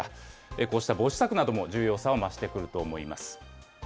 こうした防止策なども重要さを増してくると思います。